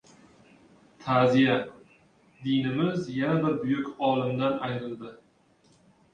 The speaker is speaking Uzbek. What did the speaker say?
Ta’ziya: Dinimiz yana bir buyuk olimdan ayrildi